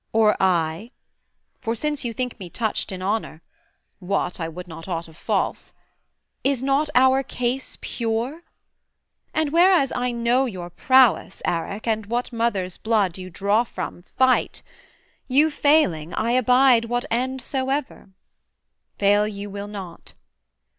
or I? for since you think me touched In honour what, I would not aught of false Is not our case pure? and whereas I know Your prowess, Arac, and what mother's blood You draw from, fight; you failing, I abide What end soever: fail you will not.